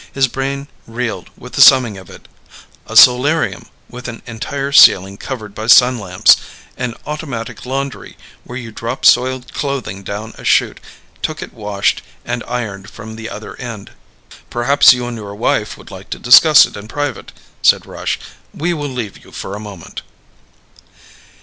His brain reeled with the summing of it: a solarium with an entire ceiling covered by sun lamps, an automatic laundry where you dropped soiled clothing down a chute, took it washed and ironed from the other end ... "Perhaps you and your wife would like to discuss it in private," said Rush. "We will leave you for a moment."